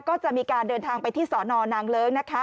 ก็จะมีการเดินทางไปที่สนนางเลิ้งนะคะ